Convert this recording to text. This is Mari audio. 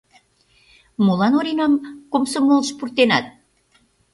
— Молан Оринам комсомолыш пуртенат?